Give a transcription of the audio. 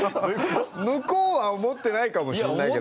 向こうは思ってないかもしれないけど。